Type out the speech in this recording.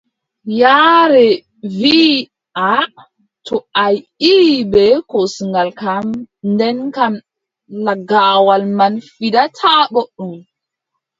Yaare wii aaʼa, to a ƴiʼi bee kosngal kam, nden kam lagaawal man fiɗataa booɗɗum.